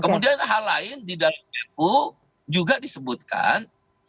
kemudian hal lain di dalam perpu juga disebutkan